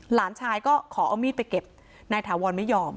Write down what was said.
หลานชายก็ขอเอามีดไปเก็บนายถาวรไม่ยอม